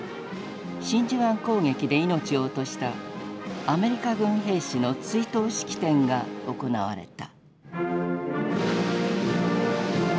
真珠湾攻撃で命を落としたアメリカ軍兵士の追悼式典が行われた。